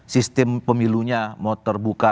sistem pemilunya mau terbuka